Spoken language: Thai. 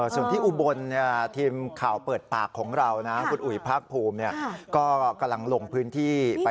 ส่วนที่อุบลย์ทีมข่าวเปิดปากของเรา